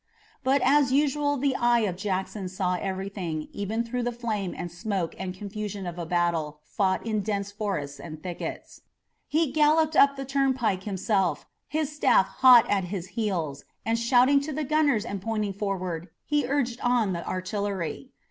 But as usual the eye of Jackson saw everything, even through the flame and smoke and confusion of a battle fought in dense forests and thickets. He galloped up the turnpike himself, his staff hot at his heels, and shouting to the gunners and pointing forward, he urged on the artillery.